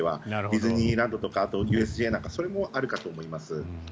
ディズニーランドとかあとＵＳＪなんかとかそれがあると思います。